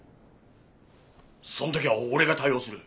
その時は俺が対応する。